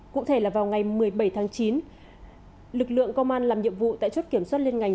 cụ thể là vào ngày một mươi bảy tháng chín lực lượng công an làm nhiệm vụ tại chốt kiểm soát liên ngành